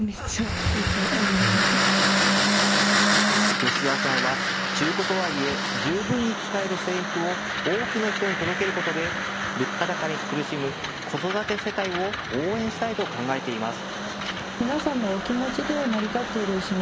吉澤さんは中古とはいえ十分に使える制服を多くの人に届けることで物価高に苦しむ子育て世帯を応援したいと考えています。